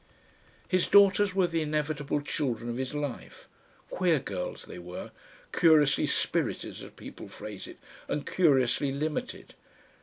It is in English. His daughters were the inevitable children of his life. Queer girls they were! Curiously "spirited" as people phrase it, and curiously limited.